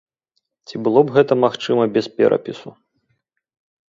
Ці было б гэта магчыма без перапісу?